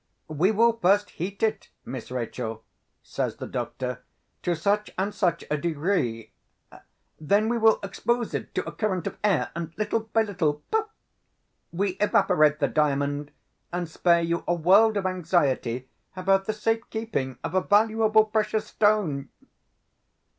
"We will first heat it, Miss Rachel," says the doctor, "to such and such a degree; then we will expose it to a current of air; and, little by little—puff!—we evaporate the Diamond, and spare you a world of anxiety about the safe keeping of a valuable precious stone!"